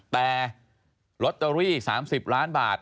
แต่ลอตเตอรี่๓๐ล้านบาท